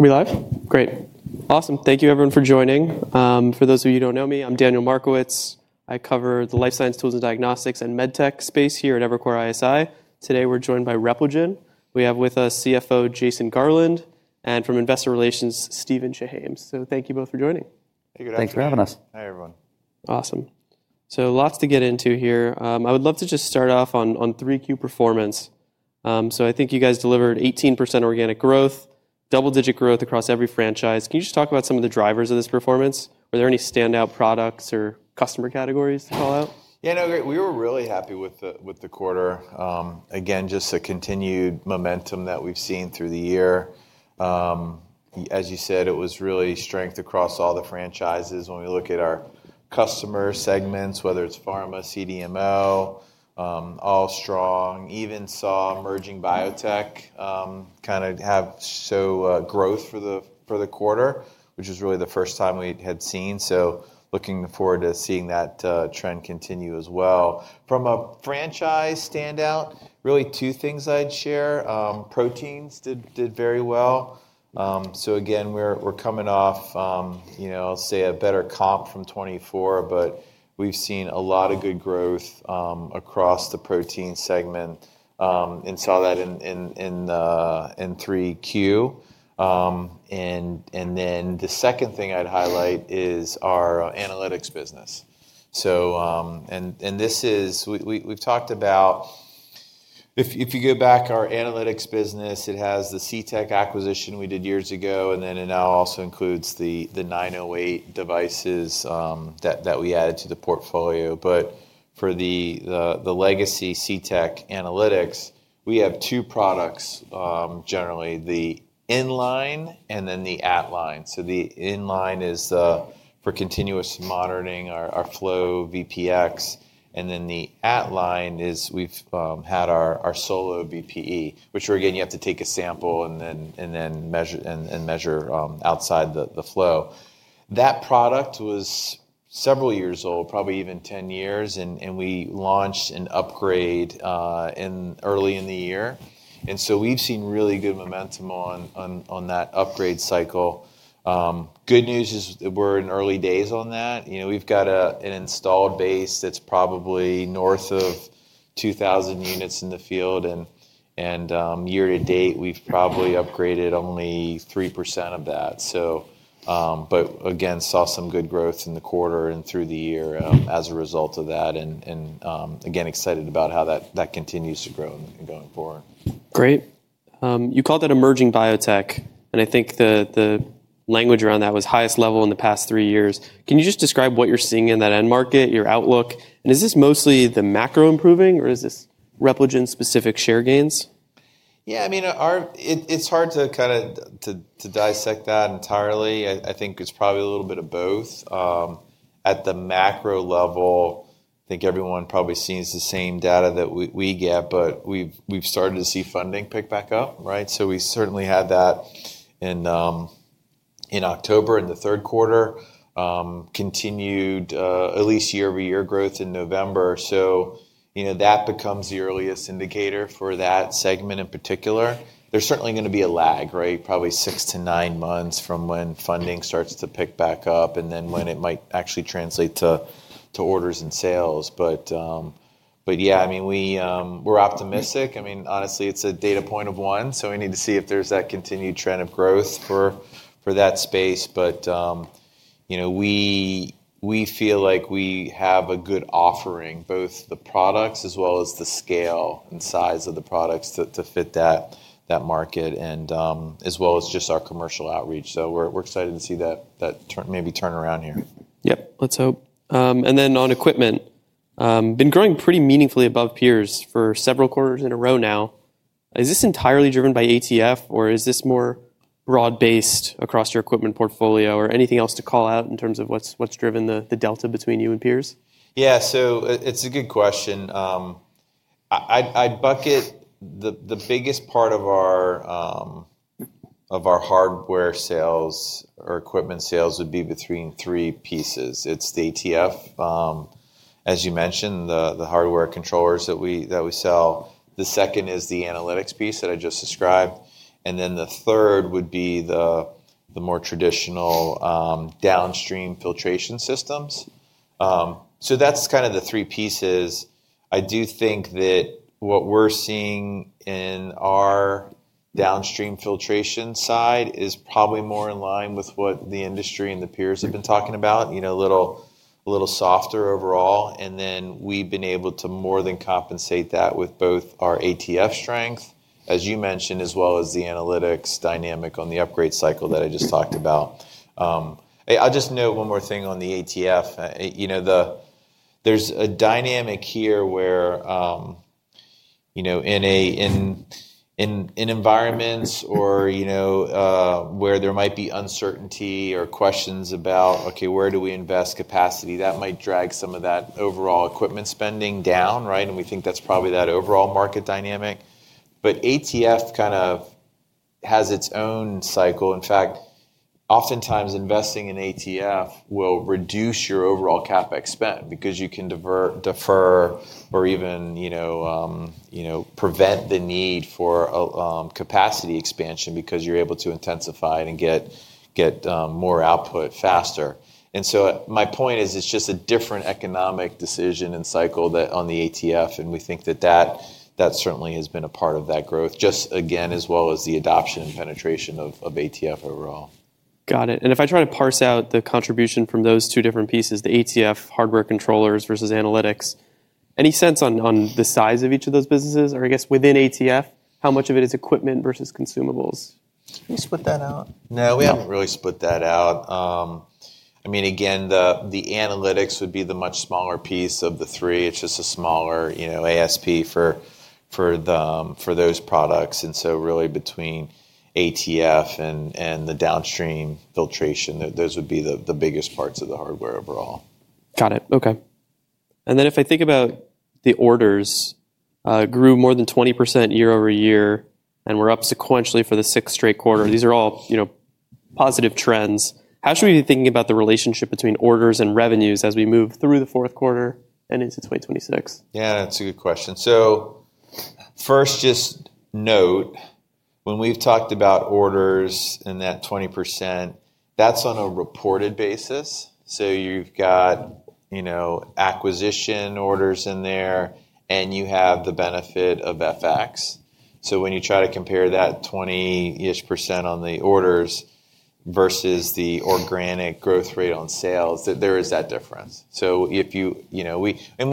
Are we live? Great. Awesome. Thank you, everyone, for joining. For those of you who don't know me, I'm Daniel Markowitz. I cover the life science, tools, and diagnostics and med tech space here at Evercore ISI. Today we're joined by Repligen. We have with us CFO Jason Garland and, from Investor Relations, Stephen Shah. So thank you both for joining. Thank you for having us. Hey, everyone. Awesome, so lots to get into here. I would love to just start off on 3Q performance, so I think you guys delivered 18% organic growth, double-digit growth across every franchise. Can you just talk about some of the drivers of this performance? Are there any standout products or customer categories to call out? Yeah, no, great. We were really happy with the quarter. Again, just the continued momentum that we've seen through the year. As you said, it was really strength across all the franchises. When we look at our customer segments, whether it's pharma, CDMO. All strong, even saw emerging biotech kind of have growth for the quarter, which is really the first time we had seen. So looking forward to seeing that trend continue as well. From a franchise standout, really two things I'd share. Proteins did very well. So again, we're coming off, I'll say, a better comp from 2024, but we've seen a lot of good growth across the protein segment and saw that in Q3. And then the second thing I'd highlight is our analytics business. And this is. We've talked about, if you go back, our analytics business. It has the CTEC acquisition we did years ago, and then it now also includes the 908 Devices that we added to the portfolio. But for the legacy CTEC analytics, we have two products generally, the inline and then the at-line. So the inline is for continuous monitoring, our FlowVPX, and then the at-line is. We've had our SoloVPE, which, again, you have to take a sample and then measure outside the flow. That product was several years old, probably even 10 years, and we launched an upgrade early in the year. And so we've seen really good momentum on that upgrade cycle. Good news is we're in early days on that. We've got an installed base that's probably north of 2,000 units in the field. And year to date, we've probably upgraded only 3% of that. But again, saw some good growth in the quarter and through the year as a result of that. And again, excited about how that continues to grow going forward. Great. You called it emerging biotech, and I think the language around that was highest level in the past three years. Can you just describe what you're seeing in that end market, your outlook? And is this mostly the macro improving, or is this Repligen-specific share gains? Yeah, I mean, it's hard to kind of dissect that entirely. I think it's probably a little bit of both. At the macro level, I think everyone probably sees the same data that we get, but we've started to see funding pick back up. So we certainly had that in October in the third quarter, continued at least year-over-year growth in November. So that becomes the earliest indicator for that segment in particular. There's certainly going to be a lag, probably six to nine months from when funding starts to pick back up and then when it might actually translate to orders and sales. But yeah, I mean, we're optimistic. I mean, honestly, it's a data point of one, so we need to see if there's that continued trend of growth for that space. But we feel like we have a good offering, both the products as well as the scale and size of the products to fit that market, as well as just our commercial outreach. So we're excited to see that maybe turn around here. Yep, let's hope. And then on equipment, been growing pretty meaningfully above peers for several quarters in a row now. Is this entirely driven by ATF, or is this more broad-based across your equipment portfolio, or anything else to call out in terms of what's driven the delta between you and peers? Yeah, so it's a good question. I'd bucket the biggest part of our hardware sales or equipment sales would be between three pieces. It's the ATF, as you mentioned, the hardware controllers that we sell. The second is the analytics piece that I just described. And then the third would be the more traditional downstream filtration systems. So that's kind of the three pieces. I do think that what we're seeing in our downstream filtration side is probably more in line with what the industry and the peers have been talking about, a little softer overall. And then we've been able to more than compensate that with both our ATF strength, as you mentioned, as well as the analytics dynamic on the upgrade cycle that I just talked about. I'll just note one more thing on the ATF. There's a dynamic here where in environments or where there might be uncertainty or questions about, "Okay, where do we invest capacity?" That might drag some of that overall equipment spending down. And we think that's probably that overall market dynamic. But ATF kind of has its own cycle. In fact, oftentimes investing in ATF will reduce your overall CapEx spend because you can defer or even prevent the need for capacity expansion because you're able to intensify it and get more output faster. And so my point is it's just a different economic decision and cycle on the ATF. And we think that that certainly has been a part of that growth, just again, as well as the adoption and penetration of ATF overall. Got it. And if I try to parse out the contribution from those two different pieces, the ATF hardware controllers versus analytics, any sense on the size of each of those businesses? Or I guess within ATF, how much of it is equipment versus consumables? Can you split that out? No, we haven't really split that out. I mean, again, the analytics would be the much smaller piece of the three. It's just a smaller ASP for those products. And so really between ATF and the downstream filtration, those would be the biggest parts of the hardware overall. Got it. Okay. And then if I think about the orders, grew more than 20% year over year, and we're up sequentially for the sixth straight quarter. These are all positive trends. How should we be thinking about the relationship between orders and revenues as we move through the fourth quarter and into 2026? Yeah, that's a good question. So first, just note, when we've talked about orders and that 20%, that's on a reported basis. So you've got acquisition orders in there, and you have the benefit of FX. So when you try to compare that 20-ish% on the orders versus the organic growth rate on sales, there is that difference. And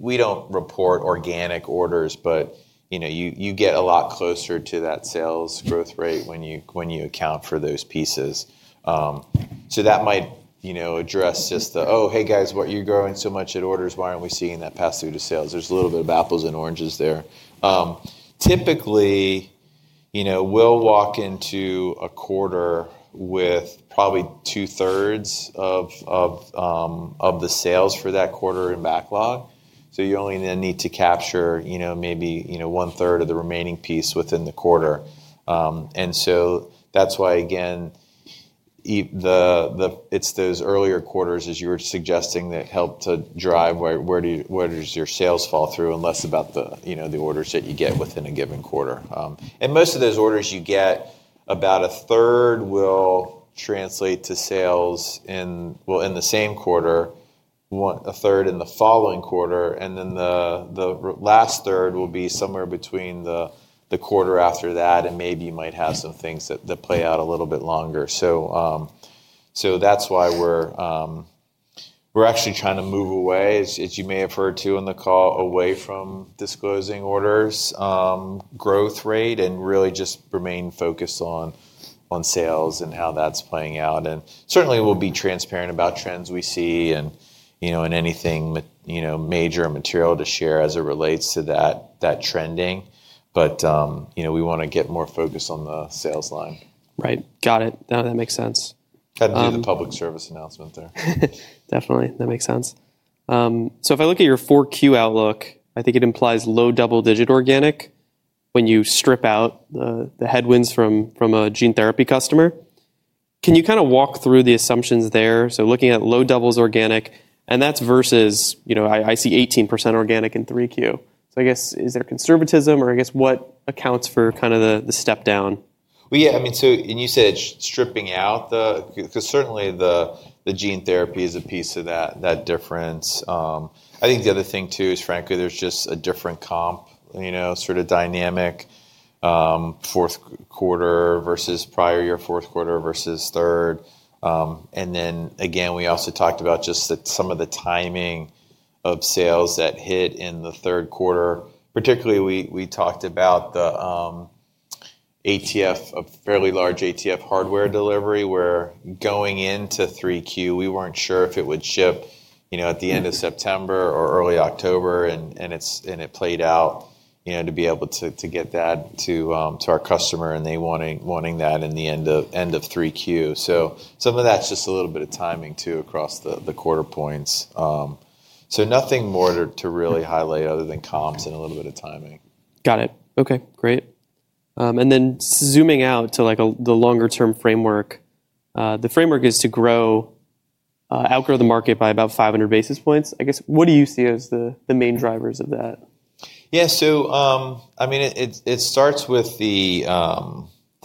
we don't report organic orders, but you get a lot closer to that sales growth rate when you account for those pieces. So that might address just the, "Oh, hey guys, what? You're growing so much in orders. Why aren't we seeing that pass through to sales?" There's a little bit of apples and oranges there. Typically, we'll walk into a quarter with probably two-thirds of the sales for that quarter in backlog. So you only then need to capture maybe one-third of the remaining piece within the quarter. And so that's why, again, it's those earlier quarters, as you were suggesting, that help to drive where does your sales fall through and less about the orders that you get within a given quarter. And most of those orders you get, about a third will translate to sales in the same quarter, a third in the following quarter. And then the last third will be somewhere between the quarter after that, and maybe you might have some things that play out a little bit longer. So that's why we're actually trying to move away, as you may have heard too on the call, away from disclosing orders' growth rate and really just remain focused on sales and how that's playing out. And certainly, we'll be transparent about trends we see and anything major and material to share as it relates to that trending. but we want to get more focused on the sales line. Right. Got it. No, that makes sense. Had to be the public service announcement there. Definitely. That makes sense. So if I look at your 4Q outlook, I think it implies low double-digit organic when you strip out the headwinds from a gene therapy customer. Can you kind of walk through the assumptions there? So looking at low doubles organic, and that's versus I see 18% organic in 3Q. So I guess, is there conservatism, or I guess what accounts for kind of the step down? Well, yeah, I mean, so, and you said stripping out the because certainly the gene therapy is a piece of that difference. I think the other thing too is, frankly, there's just a different comp, sort of dynamic fourth quarter versus prior year fourth quarter versus third, and then again, we also talked about just some of the timing of sales that hit in the third quarter. Particularly, we talked about the fairly large ATF hardware delivery where going into three-Q, we weren't sure if it would ship at the end of September or early October, and it played out to be able to get that to our customer, and they wanting that in the end of three-Q, so some of that's just a little bit of timing too across the quarter points, so nothing more to really highlight other than comps and a little bit of timing. Got it. Okay. Great, and then zooming out to the longer-term framework, the framework is to outgrow the market by about 500 basis points. I guess, what do you see as the main drivers of that? Yeah, so I mean, it starts with the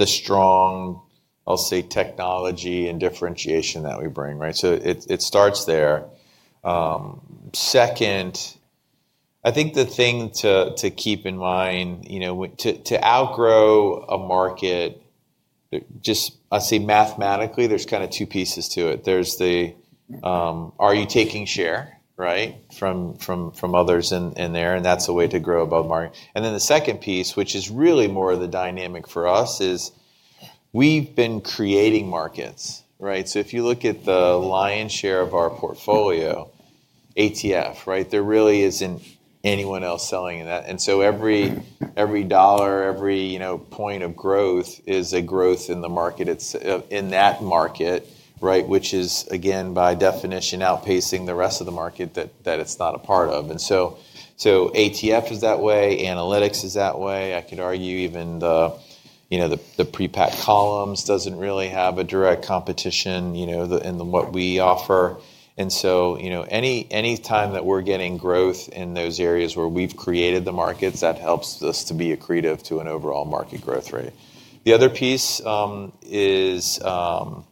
strong, I'll say, technology and differentiation that we bring, so it starts there. Second, I think the thing to keep in mind to outgrow a market, just I'll say mathematically, is there's kind of two pieces to it. There's the, are you taking share from others in there? And that's a way to grow above market. And then the second piece, which is really more of the dynamic for us, is we've been creating markets. So if you look at the lion's share of our portfolio, ATF, there really isn't anyone else selling in that. And so every dollar, every point of growth is a growth in that market, which is, again, by definition, outpacing the rest of the market that it's not a part of. And so ATF is that way. Analytics is that way. I could argue even the prepack columns doesn't really have a direct competition in what we offer. And so any time that we're getting growth in those areas where we've created the markets, that helps us to be accretive to an overall market growth rate. The other piece is our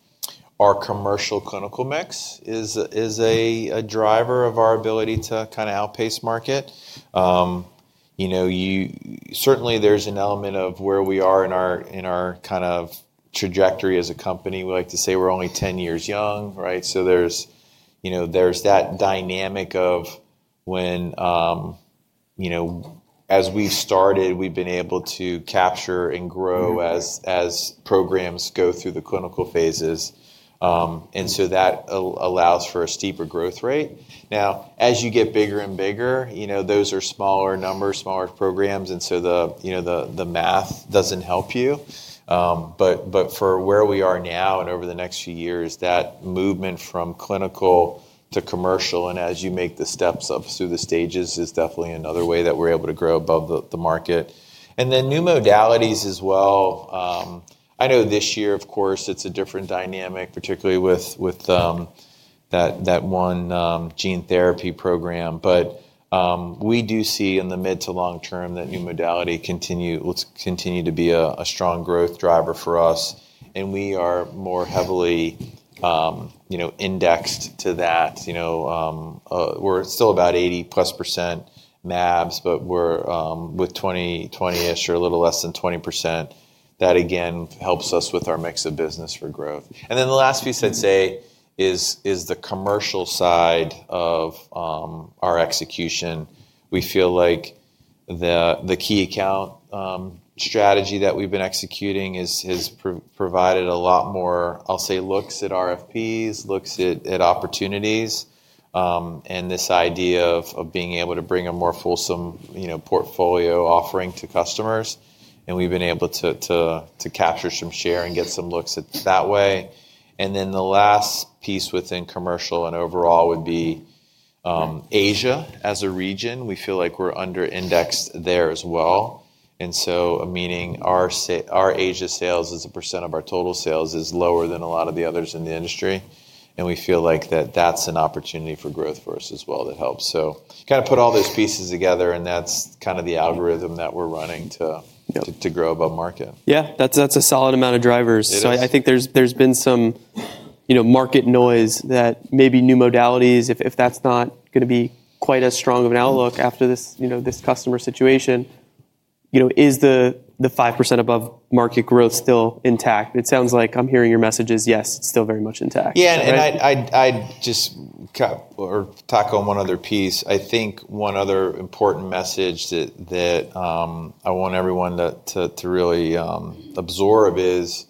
commercial clinical mix is a driver of our ability to kind of outpace market. Certainly, there's an element of where we are in our kind of trajectory as a company. We like to say we're only 10 years young. So there's that dynamic of when, as we've started, we've been able to capture and grow as programs go through the clinical phases. And so that allows for a steeper growth rate. Now, as you get bigger and bigger, those are smaller numbers, smaller programs. And so the math doesn't help you. But for where we are now and over the next few years, that movement from clinical to commercial and as you make the steps up through the stages is definitely another way that we're able to grow above the market. And then new modalities as well. I know this year, of course, it's a different dynamic, particularly with that one gene therapy program. But we do see in the mid to long term that new modality will continue to be a strong growth driver for us. And we are more heavily indexed to that. We're still about 80-plus% MABs, but we're with 20-ish or a little less than 20%. That, again, helps us with our mix of business for growth. And then the last piece I'd say is the commercial side of our execution. We feel like the key account strategy that we've been executing has provided a lot more, I'll say, looks at RFPs, looks at opportunities, and this idea of being able to bring a more fulsome portfolio offering to customers. And we've been able to capture some share and get some looks that way. And then the last piece within commercial and overall would be Asia as a region. We feel like we're under-indexed there as well. And so meaning our Asia sales as a percent of our total sales is lower than a lot of the others in the industry. And we feel like that is an opportunity for growth for us as well that helps. So kind of put all those pieces together, and that's kind of the algorithm that we're running to grow above market. Yeah. That's a solid amount of drivers. So I think there's been some market noise that maybe new modalities, if that's not going to be quite as strong of an outlook after this customer situation, is the 5% above market growth still intact? It sounds like I'm hearing your message is, yes, still very much intact. Yeah. And I'd just tack on one other piece. I think one other important message that I want everyone to really absorb is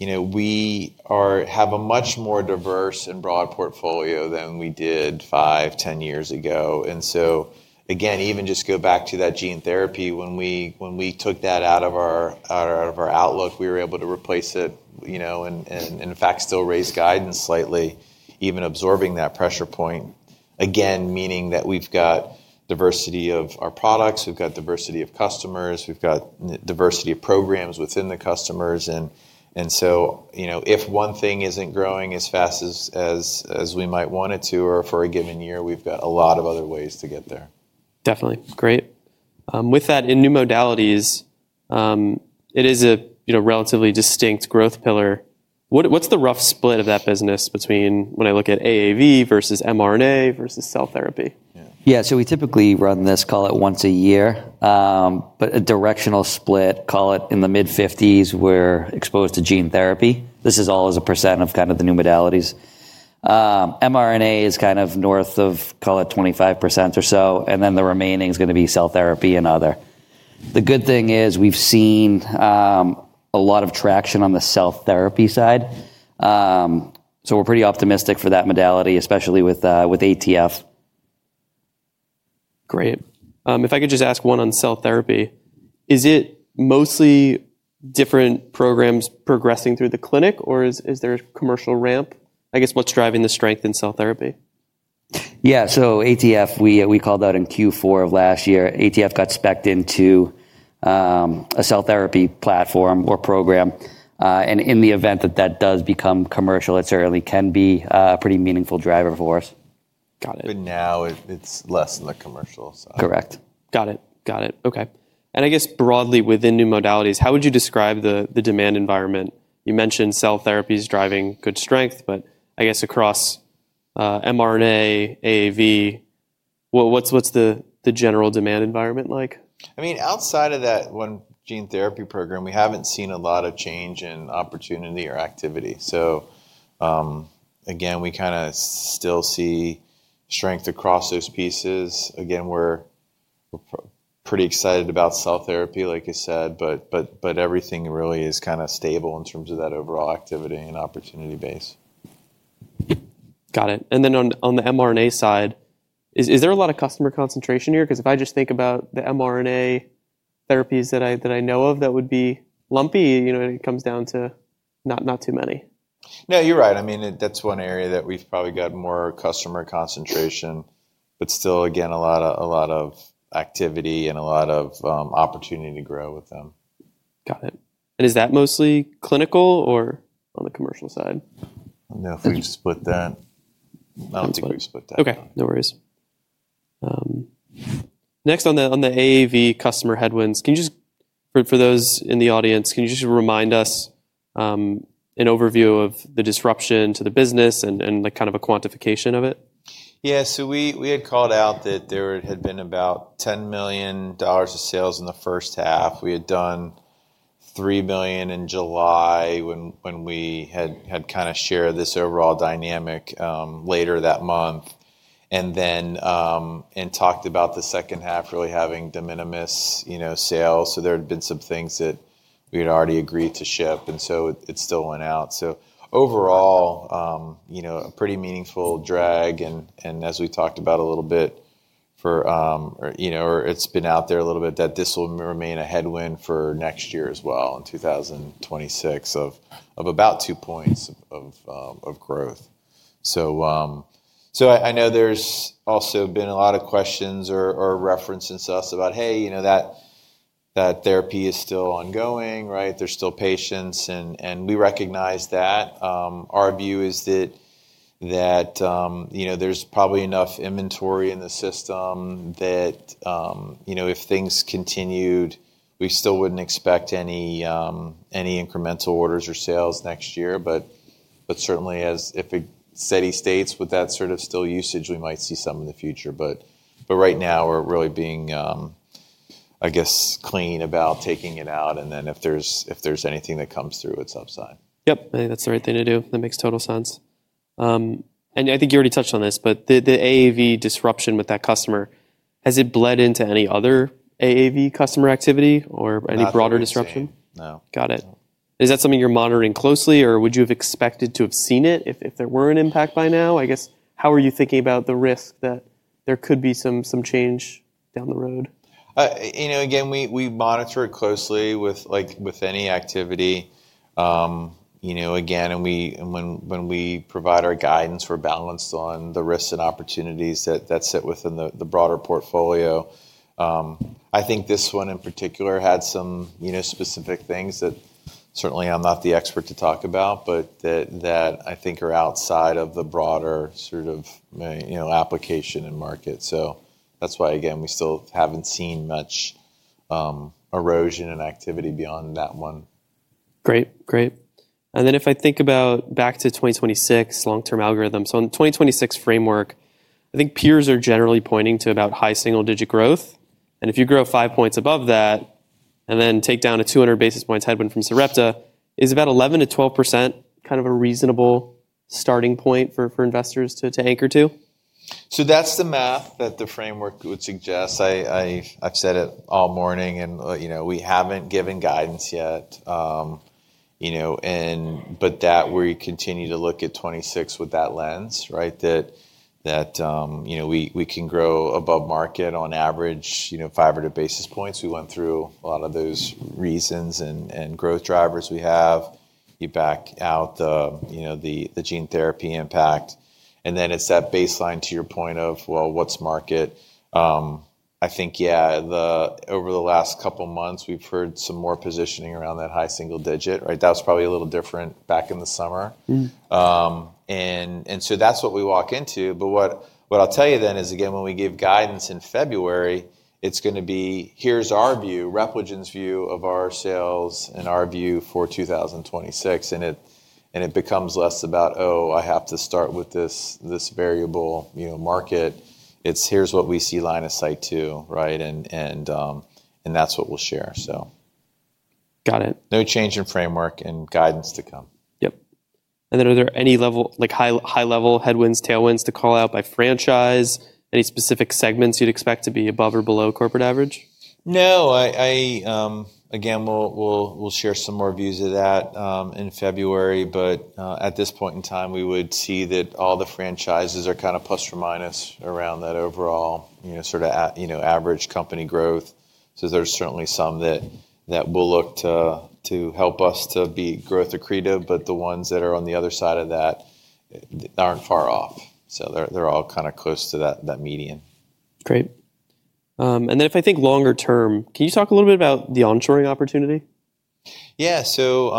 we have a much more diverse and broad portfolio than we did five, 10 years ago. And so again, even just go back to that gene therapy, when we took that out of our outlook, we were able to replace it and in fact still raise guidance slightly, even absorbing that pressure point. Again, meaning that we've got diversity of our products, we've got diversity of customers, we've got diversity of programs within the customers. And so if one thing isn't growing as fast as we might want it to or for a given year, we've got a lot of other ways to get there. Definitely. Great. With that, in new modalities, it is a relatively distinct growth pillar. What's the rough split of that business between when I look at AAV versus mRNA versus cell therapy? Yeah. So we typically run this, call it once a year, but a directional split, call it in the mid-50s where exposed to gene therapy. This is all as a % of kind of the new modalities. mRNA is kind of north of, call it 25% or so. And then the remaining is going to be cell therapy and other. The good thing is we've seen a lot of traction on the cell therapy side. So we're pretty optimistic for that modality, especially with ATF. Great. If I could just ask one on cell therapy, is it mostly different programs progressing through the clinic, or is there a commercial ramp? I guess what's driving the strength in cell therapy? Yeah. So ATF, we called out in Q4 of last year, ATF got spec'd into a cell therapy platform or program. And in the event that that does become commercial, it certainly can be a pretty meaningful driver for us. Got it. But now it's less than the commercial side. Correct. Got it. Okay. And I guess broadly within new modalities, how would you describe the demand environment? You mentioned cell therapy is driving good strength, but I guess across mRNA, AAV, what's the general demand environment like? I mean, outside of that one gene therapy program, we haven't seen a lot of change in opportunity or activity. So again, we kind of still see strength across those pieces. Again, we're pretty excited about cell therapy, like I said, but everything really is kind of stable in terms of that overall activity and opportunity base. Got it. And then on the mRNA side, is there a lot of customer concentration here? Because if I just think about the mRNA therapies that I know of, that would be lumpy when it comes down to not too many. No, you're right. I mean, that's one area that we've probably got more customer concentration, but still, again, a lot of activity and a lot of opportunity to grow with them. Got it. And is that mostly clinical or on the commercial side? I don't know if we've split that. I don't think we've split that. Okay. No worries. Next, on the AAV customer headwinds, for those in the audience, can you just remind us an overview of the disruption to the business and kind of a quantification of it? Yeah. So we had called out that there had been about $10 million of sales in the first half. We had done $3 million in July when we had kind of shared this overall dynamic later that month and talked about the second half really having de minimis sales. So there had been some things that we had already agreed to ship, and so it still went out. So overall, a pretty meaningful drag. And as we talked about a little bit, it's been out there a little bit that this will remain a headwind for next year as well in 2026 of about two points of growth. So I know there's also been a lot of questions or references to us about, "Hey, that therapy is still ongoing." There's still patients, and we recognize that. Our view is that there's probably enough inventory in the system that if things continued, we still wouldn't expect any incremental orders or sales next year. But certainly, if it steady states with that sort of steady usage, we might see some in the future. But right now, we're really being, I guess, clean about taking it out. And then if there's anything that comes through, it's upside. Yep. That's the right thing to do. That makes total sense. And I think you already touched on this, but the AAV disruption with that customer, has it bled into any other AAV customer activity or any broader disruption? No. Got it. Is that something you're monitoring closely, or would you have expected to have seen it if there were an impact by now? I guess, how are you thinking about the risk that there could be some change down the road? Again, we monitor it closely with any activity. Again, when we provide our guidance, we're balanced on the risks and opportunities that sit within the broader portfolio. I think this one in particular had some specific things that certainly I'm not the expert to talk about, but that I think are outside of the broader sort of application and market. So that's why, again, we still haven't seen much erosion and activity beyond that one. Great. Great. And then if I think about back to 2026, long-term algorithms. So in the 2026 framework, I think peers are generally pointing to about high single-digit growth. And if you grow five points above that and then take down a 200 basis points headwind from Sarepta, is about 11%-12% kind of a reasonable starting point for investors to anchor to? So that's the math that the framework would suggest. I've said it all morning, and we haven't given guidance yet. But that we continue to look at 26 with that lens, that we can grow above market on average 500 basis points. We went through a lot of those reasons and growth drivers we have. You back out the gene therapy impact. And then it's that baseline to your point of, well, what's market? I think, yeah, over the last couple of months, we've heard some more positioning around that high single digit. That was probably a little different back in the summer. And so that's what we walk into. But what I'll tell you then is, again, when we give guidance in February, it's going to be, "Here's our view, Repligen's view of our sales and our view for 2026." And it becomes less about, "Oh, I have to start with this variable market." It's, "Here's what we see line of sight to." And that's what we'll share. Got it. No change in framework and guidance to come. Yep. And then are there any high-level headwinds, tailwinds to call out by franchise? Any specific segments you'd expect to be above or below corporate average? No. Again, we'll share some more views of that in February, but at this point in time, we would see that all the franchises are kind of plus or minus around that overall sort of average company growth, so there's certainly some that will look to help us to be growth accretive, but the ones that are on the other side of that are far off, so they're all kind of close to that median. Great. And then if I think longer term, can you talk a little bit about the onshoring opportunity? Yeah. So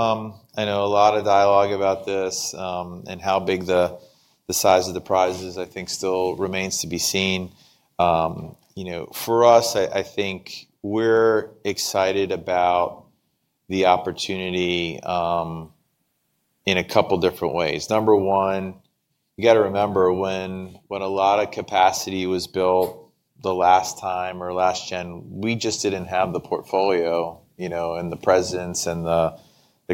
I know a lot of dialogue about this and how big the size of the prizes, I think, still remains to be seen. For us, I think we're excited about the opportunity in a couple of different ways. Number one, you got to remember when a lot of capacity was built the last time or last gen, we just didn't have the portfolio and the presence and the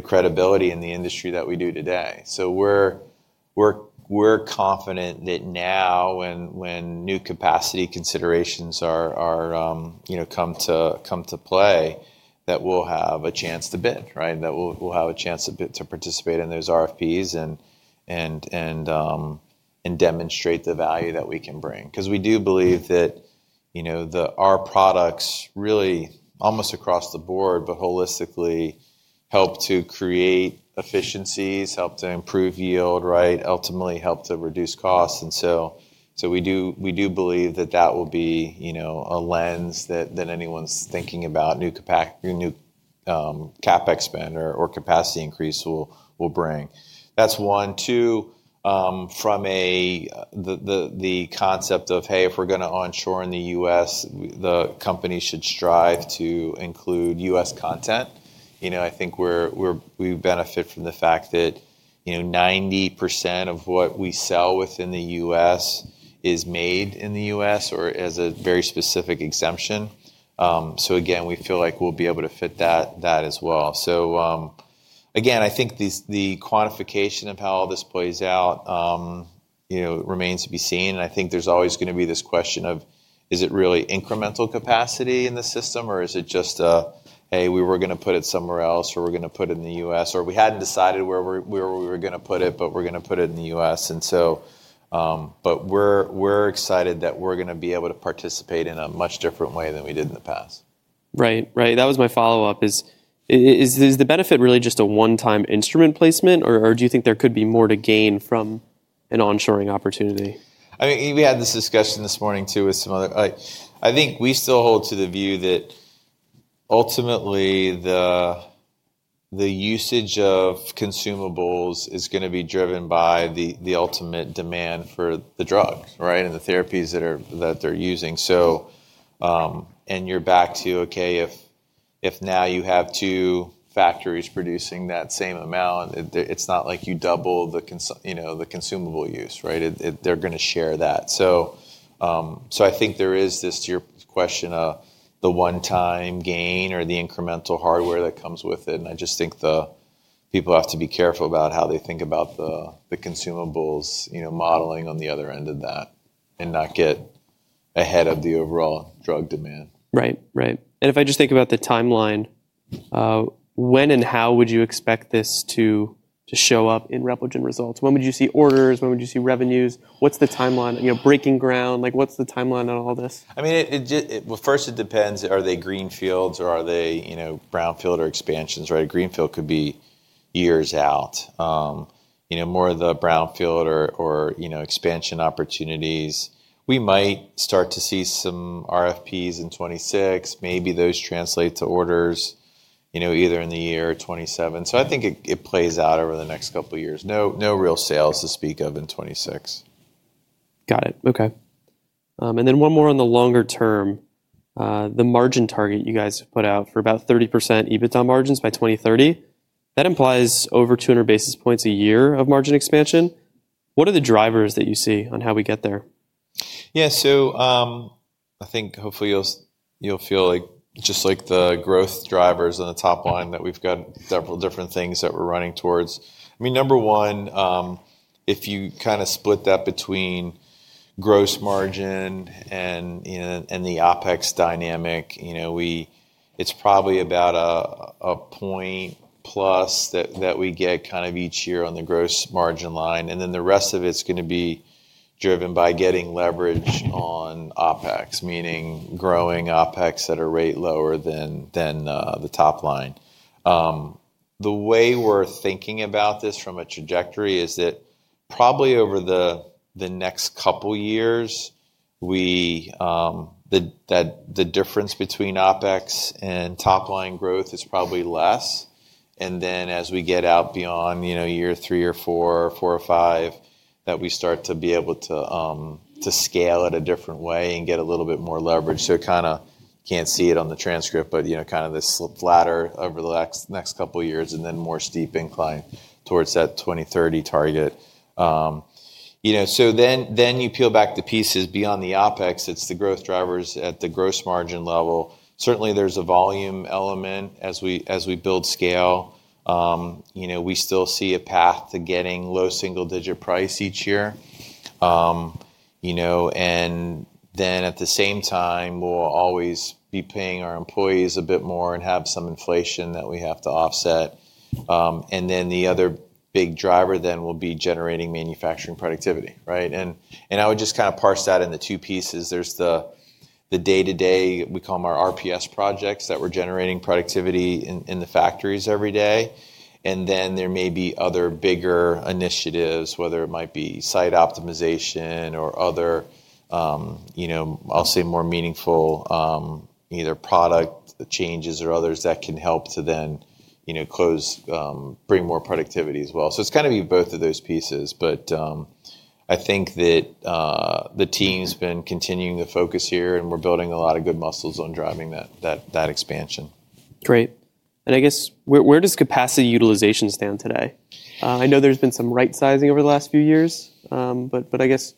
credibility in the industry that we do today. So we're confident that now when new capacity considerations come to play, that we'll have a chance to bid, that we'll have a chance to participate in those RFPs and demonstrate the value that we can bring. Because we do believe that our products really almost across the board, but holistically, help to create efficiencies, help to improve yield, ultimately help to reduce costs. And so we do believe that that will be a lens that anyone's thinking about new CapEx or capacity increase will bring. That's one. Two, from the concept of, "Hey, if we're going to onshore in the U.S., the company should strive to include U.S. content." I think we benefit from the fact that 90% of what we sell within the U.S. is made in the U.S. or as a very specific exemption. So again, we feel like we'll be able to fit that as well. So again, I think the quantification of how all this plays out remains to be seen. And I think there's always going to be this question of, "Is it really incremental capacity in the system, or is it just a, 'Hey, we were going to put it somewhere else, or we're going to put it in the U.S., or we hadn't decided where we were going to put it, but we're going to put it in the U.S.?'" But we're excited that we're going to be able to participate in a much different way than we did in the past. Right. Right. That was my follow-up. Is the benefit really just a one-time instrument placement, or do you think there could be more to gain from an onshoring opportunity? I mean, we had this discussion this morning too with some other. I think we still hold to the view that ultimately the usage of consumables is going to be driven by the ultimate demand for the drug and the therapies that they're using. And you're back to, "Okay, if now you have two factories producing that same amount, it's not like you double the consumable use." They're going to share that. So I think there is this, to your question, the one-time gain or the incremental hardware that comes with it. And I just think people have to be careful about how they think about the consumables modeling on the other end of that and not get ahead of the overall drug demand. Right. Right. And if I just think about the timeline, when and how would you expect this to show up in Repligen results? When would you see orders? When would you see revenues? What's the timeline? Breaking ground? What's the timeline on all this? I mean, first, it depends. Are they greenfields or are they brownfield or expansions? A greenfield could be years out. More of the brownfield or expansion opportunities. We might start to see some RFPs in 2026. Maybe those translate to orders either in the year 2027. So I think it plays out over the next couple of years. No real sales to speak of in 2026. Got it. Okay, and then one more on the longer term. The margin target you guys put out for about 30% EBITDA margins by 2030. That implies over 200 basis points a year of margin expansion. What are the drivers that you see on how we get there? Yeah. So I think hopefully you'll feel just like the growth drivers on the top line that we've got several different things that we're running towards. I mean, number one, if you kind of split that between gross margin and the OpEx dynamic, it's probably about a point plus that we get kind of each year on the gross margin line. And then the rest of it's going to be driven by getting leverage on OpEx, meaning growing OpEx at a rate lower than the top line. The way we're thinking about this from a trajectory is that probably over the next couple of years, the difference between OpEx and top line growth is probably less. And then as we get out beyond year three or four, four or five, that we start to be able to scale at a different way and get a little bit more leverage. So kind of can't see it on the transcript, but kind of this ladder over the next couple of years and then more steep incline towards that 2030 target. So then you peel back the pieces beyond the OpEx. It's the growth drivers at the gross margin level. Certainly, there's a volume element as we build scale. We still see a path to getting low single-digit price each year. And then at the same time, we'll always be paying our employees a bit more and have some inflation that we have to offset. And then the other big driver then will be generating manufacturing productivity. And I would just kind of parse that into two pieces. There's the day-to-day, we call them our RPS projects that we're generating productivity in the factories every day. And then there may be other bigger initiatives, whether it might be site optimization or other. I'll say, more meaningful either product changes or others that can help to then bring more productivity as well. So it's kind of both of those pieces. But I think that the team's been continuing to focus here, and we're building a lot of good muscles on driving that expansion. Great. And I guess, where does capacity utilization stand today? I know there's been some right-sizing over the last few years. But I guess,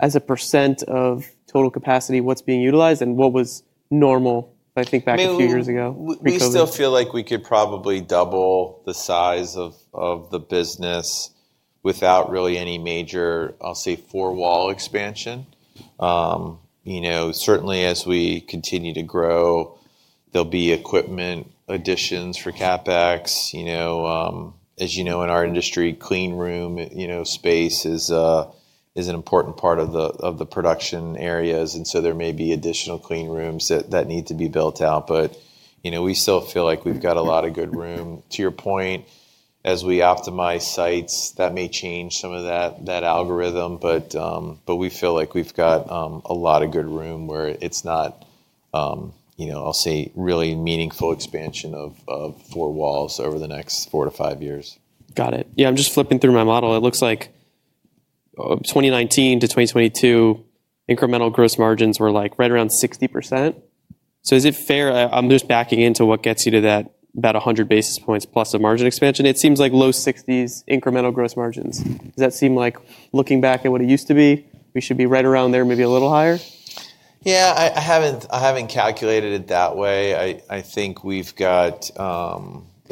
as a % of total capacity, what's being utilized and what was normal, I think, back a few years ago? We still feel like we could probably double the size of the business without really any major, I'll say, four-wall expansion. Certainly, as we continue to grow, there'll be equipment additions for CapEx. As you know, in our industry, clean room space is an important part of the production areas. And so there may be additional clean rooms that need to be built out. But we still feel like we've got a lot of good room. To your point, as we optimize sites, that may change some of that algorithm. But we feel like we've got a lot of good room where it's not, I'll say, really meaningful expansion of four walls over the next four to five years. Got it. Yeah. I'm just flipping through my model. It looks like 2019 to 2022, incremental gross margins were like right around 60%. So is it fair? I'm just backing into what gets you to that about 100 basis points plus a margin expansion. It seems like low 60s%, incremental gross margins. Does that seem like looking back at what it used to be, we should be right around there, maybe a little higher? Yeah. I haven't calculated it that way. I think we've got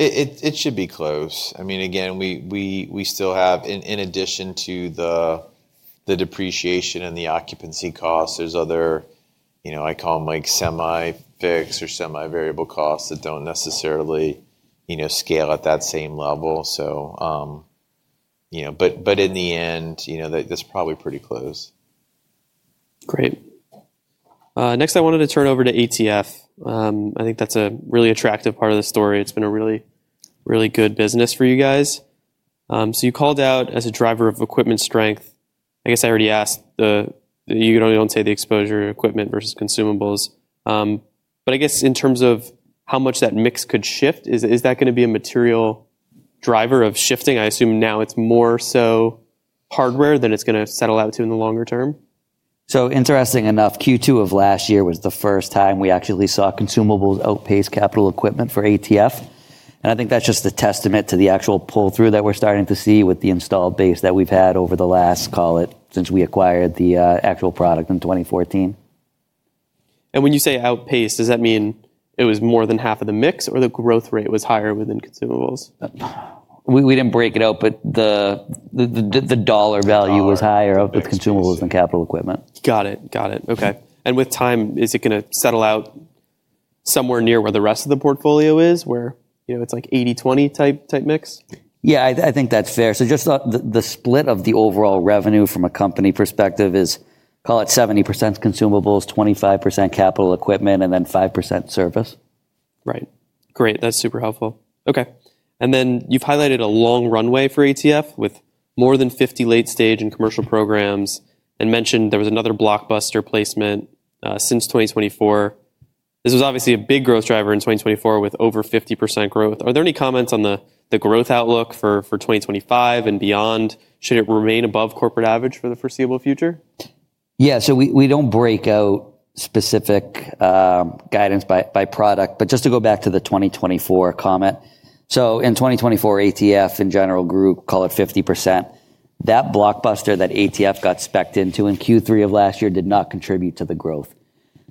it should be close. I mean, again, we still have, in addition to the depreciation and the occupancy costs, there's other, I call them semi-fixed or semi-variable costs that don't necessarily scale at that same level. But in the end, that's probably pretty close. Great. Next, I wanted to turn over to ATF. I think that's a really attractive part of the story. It's been a really, really good business for you guys. So you called out as a driver of equipment strength. I guess I already asked that you don't say the exposure equipment versus consumables. But I guess in terms of how much that mix could shift, is that going to be a material driver of shifting? I assume now it's more so hardware than it's going to settle out to in the longer term. So, interesting enough, Q2 of last year was the first time we actually saw consumables outpace capital equipment for ATF. And I think that's just a testament to the actual pull-through that we're starting to see with the installed base that we've had over the last, call it, since we acquired the actual product in 2014. When you say outpaced, does that mean it was more than half of the mix or the growth rate was higher within consumables? We didn't break it out, but the dollar value was higher of the consumables than capital equipment. Got it. Got it. Okay. And with time, is it going to settle out somewhere near where the rest of the portfolio is where it's like 80-20 type mix? Yeah. I think that's fair. So just the split of the overall revenue from a company perspective is, call it 70% consumables, 25% capital equipment, and then 5% service. Right. Great. That's super helpful. Okay. And then you've highlighted a long runway for ATF with more than 50 late-stage and commercial programs and mentioned there was another blockbuster placement since 2024. This was obviously a big growth driver in 2024 with over 50% growth. Are there any comments on the growth outlook for 2025 and beyond? Should it remain above corporate average for the foreseeable future? Yeah. So we don't break out specific guidance by product. But just to go back to the 2024 comment, so in 2024, ATF in general grew, call it 50%. That blockbuster that ATF got spec'd into in Q3 of last year did not contribute to the growth.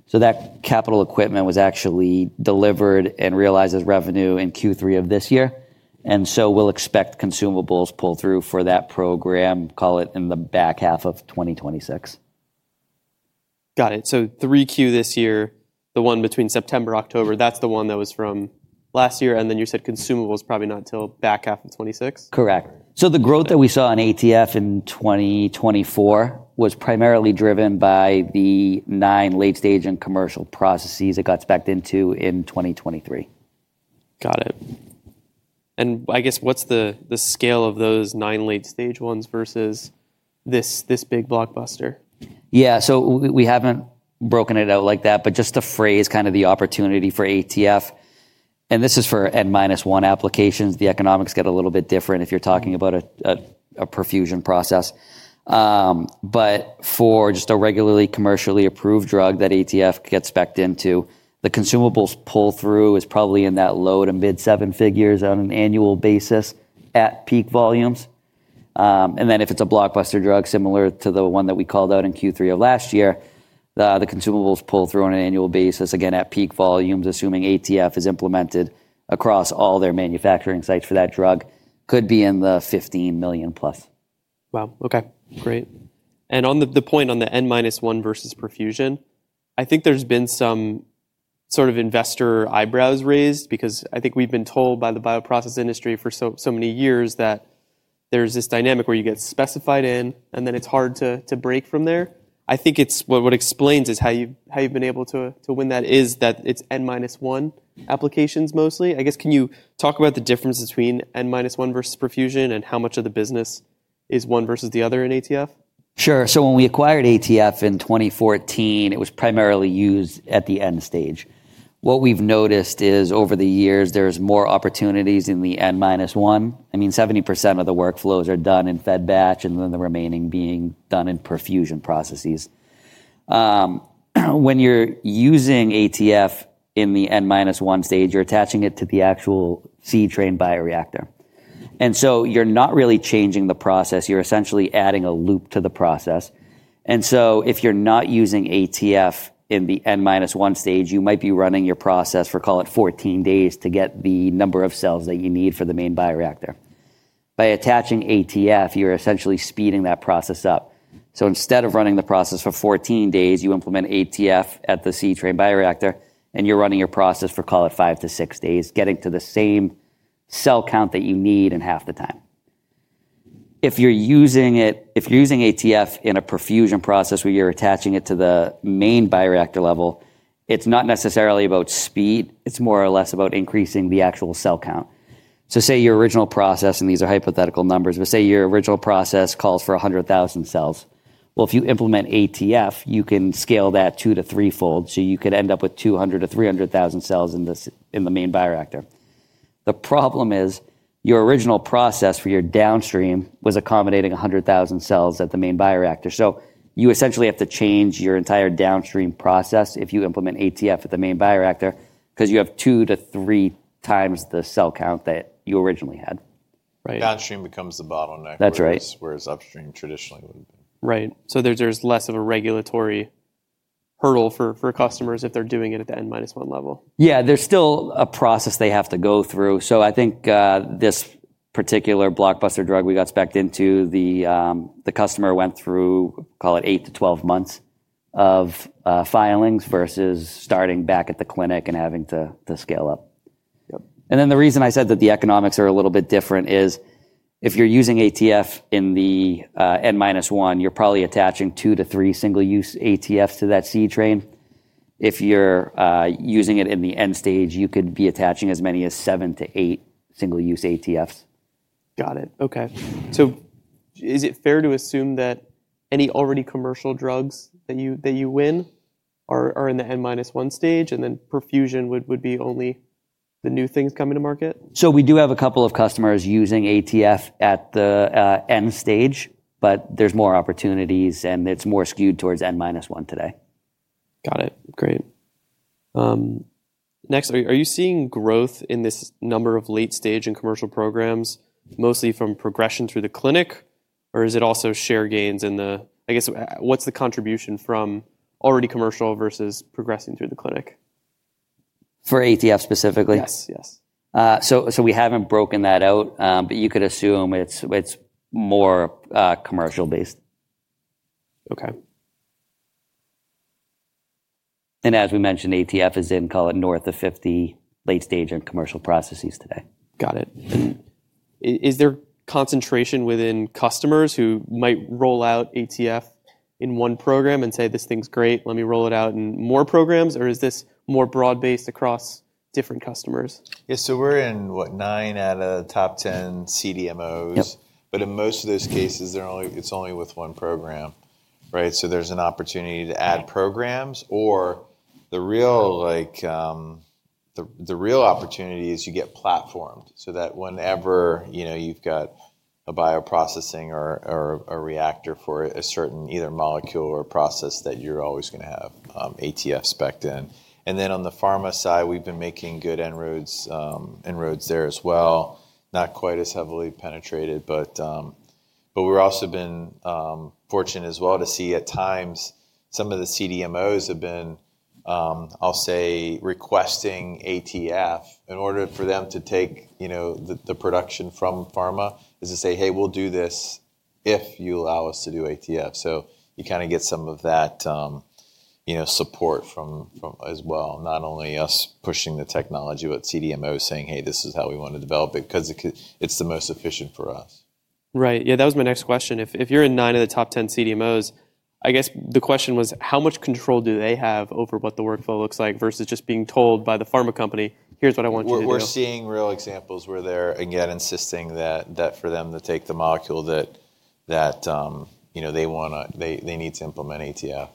So that capital equipment was actually delivered and realized as revenue in Q3 of this year. And so we'll expect consumables pull-through for that program, call it, in the back half of 2026. Got it. So 3Q this year, the one between September, October, that's the one that was from last year. And then you said consumables probably not until back half of 2026. Correct. So the growth that we saw in ATF in 2024 was primarily driven by the nine late-stage and commercial processes that got spec'd into in 2023. Got it. And I guess, what's the scale of those nine late-stage ones versus this big blockbuster? Yeah. So we haven't broken it out like that, but just to phrase kind of the opportunity for ATF, and this is for N-1 applications, the economics get a little bit different if you're talking about a perfusion process. But for just a regularly commercially approved drug that ATF gets specked into, the consumables pull-through is probably in that low to mid-seven figures on an annual basis at peak volumes. And then if it's a blockbuster drug similar to the one that we called out in Q3 of last year, the consumables pull-through on an annual basis, again, at peak volumes, assuming ATF is implemented across all their manufacturing sites for that drug, could be in the $15 million plus. Wow. Okay. Great. And on the point on the N-1 versus perfusion, I think there's been some sort of investor eyebrows raised because I think we've been told by the bioprocess industry for so many years that there's this dynamic where you get specified in, and then it's hard to break from there. I think what explains is how you've been able to win that is that it's N-1 applications mostly. I guess, can you talk about the difference between N-1 versus perfusion and how much of the business is one versus the other in ATF? Sure. So when we acquired ATF in 2014, it was primarily used at the end stage. What we've noticed is over the years, there's more opportunities in the N-1. I mean, 70% of the workflows are done in fed-batch and then the remaining being done in perfusion processes. When you're using ATF in the N-1 stage, you're attaching it to the actual C-train bioreactor. And so you're not really changing the process. You're essentially adding a loop to the process. And so if you're not using ATF in the N-1 stage, you might be running your process for, call it, 14 days to get the number of cells that you need for the main bioreactor. By attaching ATF, you're essentially speeding that process up. So instead of running the process for 14 days, you implement ATF at the C-train bioreactor, and you're running your process for, call it, five to six days, getting to the same cell count that you need in half the time. If you're using ATF in a perfusion process where you're attaching it to the main bioreactor level, it's not necessarily about speed. It's more or less about increasing the actual cell count. Say your original process, and these are hypothetical numbers, but say your original process calls for 100,000 cells. Well, if you implement ATF, you can scale that two to threefold. So you could end up with 200,000 to 300,000 cells in the main bioreactor. The problem is your original process for your downstream was accommodating 100,000 cells at the main bioreactor. You essentially have to change your entire downstream process if you implement ATF at the main bioreactor because you have two to three times the cell count that you originally had. Right. Downstream becomes the bottleneck. That's right. Whereas upstream traditionally would. Right. So there's less of a regulatory hurdle for customers if they're doing it at the N-1 level. Yeah. There's still a process they have to go through. So I think this particular blockbuster drug we got specked into, the customer went through, call it, eight to 12 months of filings versus starting back at the clinic and having to scale up. And then the reason I said that the economics are a little bit different is if you're using ATF in the N-1, you're probably attaching two to three single-use ATFs to that C-train. If you're using it in the end stage, you could be attaching as many as seven to eight single-use ATFs. Got it. Okay. So is it fair to assume that any already commercial drugs that you win are in the N-1 stage and then perfusion would be only the new things coming to market? So we do have a couple of customers using ATF at the M stage, but there's more opportunities and it's more skewed towards N-1 today. Got it. Great. Next, are you seeing growth in this number of late-stage and commercial programs mostly from progression through the clinic, or is it also share gains in the, I guess, what's the contribution from already commercial versus progressing through the clinic? For ATF specifically? Yes. Yes. So we haven't broken that out, but you could assume it's more commercial-based. Okay. As we mentioned, ATF is in, call it, north of 50 late-stage and commercial processes today. Got it, and is there concentration within customers who might roll out ATF in one program and say, "This thing's great. Let me roll it out in more programs," or is this more broad-based across different customers? Yeah. So we're in, what, nine out of the top 10 CDMOs. But in most of those cases, it's only with one program, right? So there's an opportunity to add programs. Or the real opportunity is you get platformed so that whenever you've got a bioprocessing or a reactor for a certain either molecule or process that you're always going to have ATF spec'd in. And then on the pharma side, we've been making good enroads there as well. Not quite as heavily penetrated, but we've also been fortunate as well to see at times some of the CDMOs have been, I'll say, requesting ATF in order for them to take the production from pharma is to say, "Hey, we'll do this if you allow us to do ATF." So you kind of get some of that support from as well, not only us pushing the technology, but CDMOs saying, "Hey, this is how we want to develop it because it's the most efficient for us. Right. Yeah. That was my next question. If you're in nine of the top 10 CDMOs, I guess the question was, how much control do they have over what the workflow looks like versus just being told by the pharma company, "Here's what I want you to do"? We're seeing real examples where they're, again, insisting that for them to take the molecule that they want to, they need to implement ATF.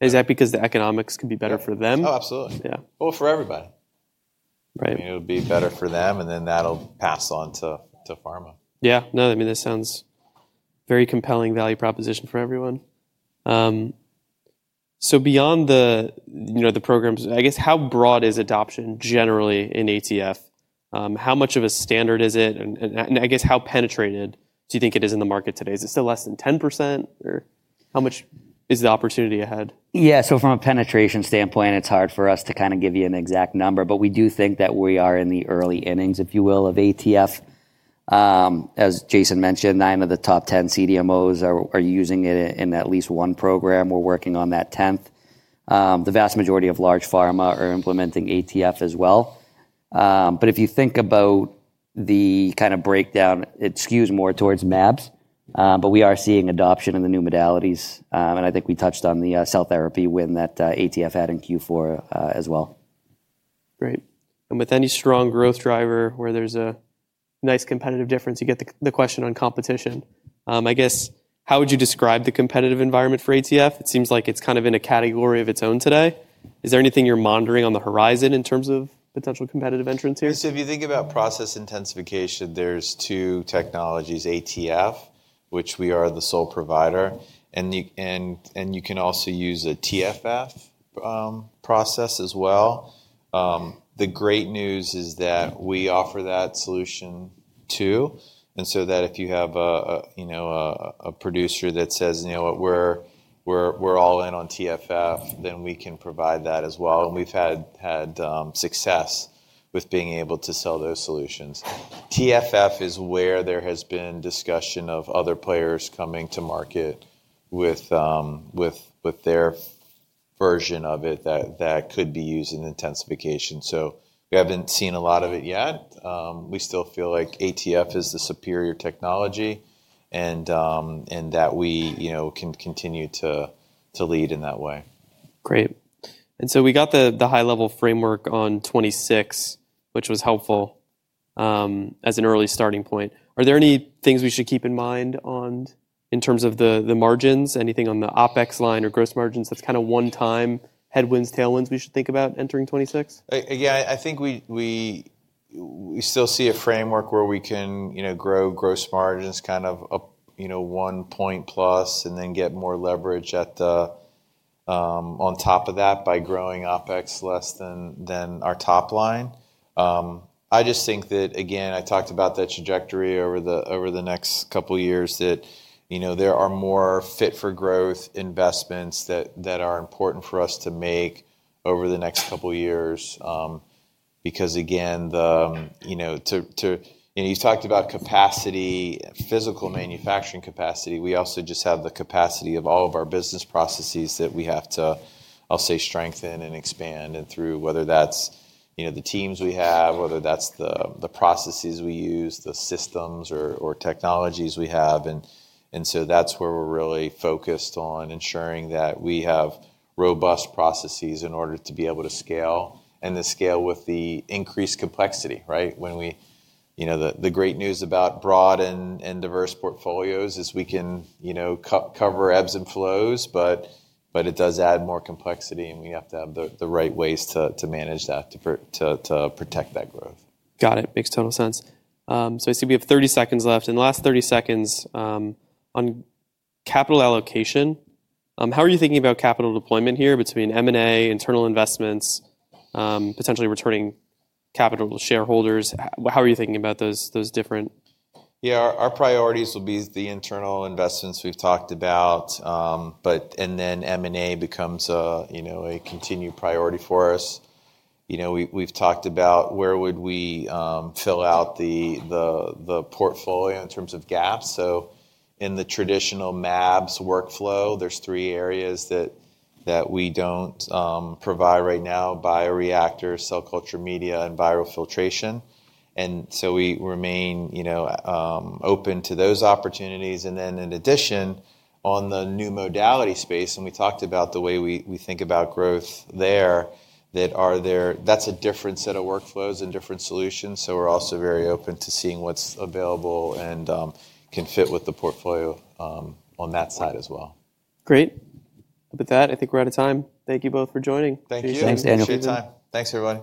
Is that because the economics can be better for them? Oh, absolutely. Well, for everybody. Right. I mean, it would be better for them, and then that'll pass on to pharma. Yeah. No, I mean, that sounds very compelling value proposition for everyone. So beyond the programs, I guess, how broad is adoption generally in ATF? How much of a standard is it? And I guess, how penetrated do you think it is in the market today? Is it still less than 10%, or how much is the opportunity ahead? Yeah. So from a penetration standpoint, it's hard for us to kind of give you an exact number, but we do think that we are in the early innings, if you will, of ATF. As Jason mentioned, nine of the top 10 CDMOs are using it in at least one program. We're working on that 10th. The vast majority of large pharma are implementing ATF as well. But if you think about the kind of breakdown, it skews more towards MABs, but we are seeing adoption in the new modalities. And I think we touched on the cell therapy win that ATF had in Q4 as well. Great. And with any strong growth driver where there's a nice competitive difference, you get the question on competition. I guess, how would you describe the competitive environment for ATF? It seems like it's kind of in a category of its own today. Is there anything you're monitoring on the horizon in terms of potential competitive entrants here? If you think about process intensification, there's two technologies: ATF, which we are the sole provider, and you can also use a TFF process as well. The great news is that we offer that solution too. That if you have a producer that says, "You know what? We're all in on TFF," then we can provide that as well. We've had success with being able to sell those solutions. TFF is where there has been discussion of other players coming to market with their version of it that could be used in intensification. We haven't seen a lot of it yet. We still feel like ATF is the superior technology and that we can continue to lead in that way. Great. And so we got the high-level framework on 2026, which was helpful as an early starting point. Are there any things we should keep in mind in terms of the margins? Anything on the OpEx line or gross margins that's kind of one-time headwinds, tailwinds we should think about entering 2026? Yeah. I think we still see a framework where we can grow gross margins kind of one point plus and then get more leverage on top of that by growing OpEx less than our top line. I just think that, again, I talked about that trajectory over the next couple of years that there are more fit-for-growth investments that are important for us to make over the next couple of years because, again, to, and you've talked about capacity, physical manufacturing capacity. We also just have the capacity of all of our business processes that we have to, I'll say, strengthen and expand and through whether that's the teams we have, whether that's the processes we use, the systems or technologies we have. And so that's where we're really focused on ensuring that we have robust processes in order to be able to scale and the scale with the increased complexity, right? The great news about broad and diverse portfolios is we can cover ebbs and flows, but it does add more complexity, and we have to have the right ways to manage that to protect that growth. Got it. Makes total sense. So I see we have 30 seconds left. In the last 30 seconds, on capital allocation, how are you thinking about capital deployment here between M&A, internal investments, potentially returning capital to shareholders? How are you thinking about those different? Yeah. Our priorities will be the internal investments we've talked about, but then M&A becomes a continued priority for us. We've talked about where would we fill out the portfolio in terms of gaps. So in the traditional MABs workflow, there's three areas that we don't provide right now: bioreactor, cell culture media, and biofiltration. And so we remain open to those opportunities. And then in addition, on the new modality space, and we talked about the way we think about growth there, that's a different set of workflows and different solutions. So we're also very open to seeing what's available and can fit with the portfolio on that side as well. Great. With that, I think we're out of time. Thank you both for joining. Thank you. Thanks, Daniel. Appreciate it. Thanks for the.